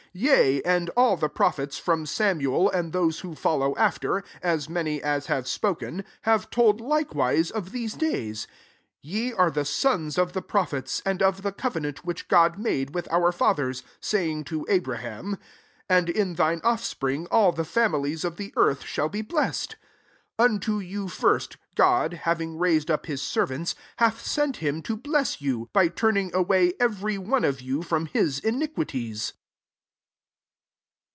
24 Yeai and all the prophets, from Samuel and those who follow after, as many as have spoken, ha^e told likewise of these days. 25 Ye are the sons of the prophets, and of the covenant which God made M'ith our fathers, saying, to Abraham, * And in thine offspring all the families of the earth shall be blessed.' 26 Un to you first, God, having rai^ ed up his servant, hati^ sei^ him to bless you, by turning away every one of you from Ms iniquities.'